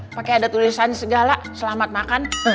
pakai ada tulisan segala selamat makan